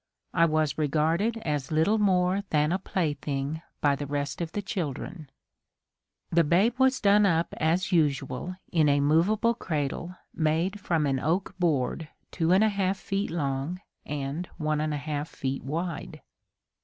I was regarded as little more than a plaything by the rest of the children. The babe was done up as usual in a movable cradle made from an oak board two and a half feet long and one and a half feet wide.